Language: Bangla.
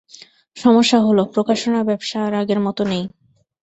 সমস্যা হলো, প্রকাশনা ব্যবসা আর আগের মতো নেই।